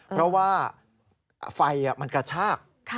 เพราะว่าไฟมันกระชาก